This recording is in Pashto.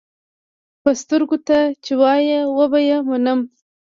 پۀ سترګو، تۀ چې وایې وبۀ یې منم.